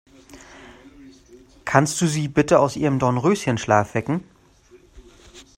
Kannst du sie bitte aus ihrem Dornröschenschlaf wecken?